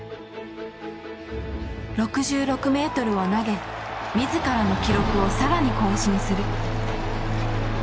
６６ｍを投げ自らの記録を更に更新する。